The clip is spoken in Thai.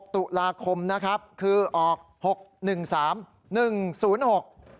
๑๖ตุลาคมนะครับคือออก๖๑๓๑๐๖